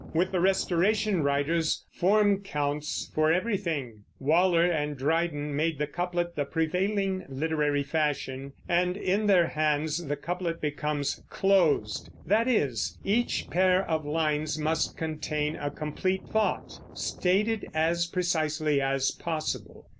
With the Restoration writers, form counts for everything. Waller and Dryden made the couplet the prevailing literary fashion, and in their hands the couplet becomes "closed"; that is, each pair of lines must contain a complete thought, stated as precisely as possible.